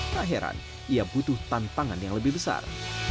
tak heran ia butuh tantangan yang lebih besar